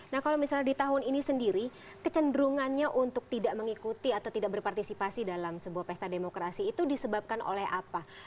nah kalau misalnya di tahun ini sendiri kecenderungannya untuk tidak mengikuti atau tidak berpartisipasi dalam sebuah pesta demokrasi itu disebabkan oleh apa